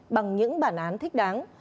bằng những bản án thích đáng